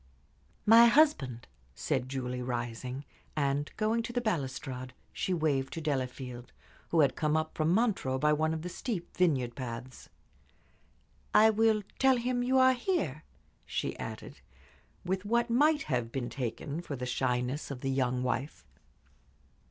"My husband," said Julie, rising, and, going to the balustrade, she waved to Delafield, who had come up from Montreux by one of the steep vineyard paths. "I will tell him you are here," she added, with what might have been taken for the shyness of the young wife.